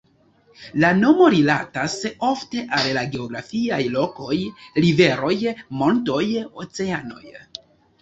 La nomo rilatas ofte al la geografiaj lokoj: riveroj, montoj, oceanoj.